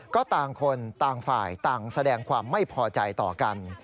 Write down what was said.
ก็ต่างคนต่างฝ่ายต่างแสดงความไม่พอใจต่อกัน